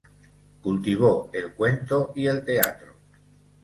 Cultivó el cuento y el teatro.